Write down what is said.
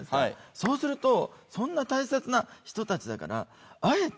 そうするとそんな大切な人たちだからあえて。